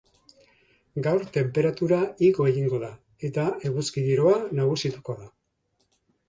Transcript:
Gaur tenperatura igo egingo da eta eguzki giroa nagusituko da.